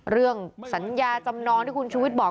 เรื่องสัญญาจำนองที่คุณชูวิทย์บอก